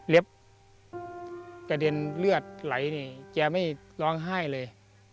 กระเด็นเลือดไหลนี่แกไม่ร้องไห้เลย